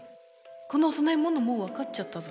このお供え物もう分かっちゃったぞ。